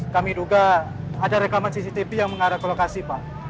kami duga ada rekaman cctv yang mengarah ke lokasi pak